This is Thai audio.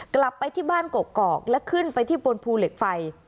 กลับไปที่บ้านกกอกและขึ้นไปที่บนภูเหล็กไฟ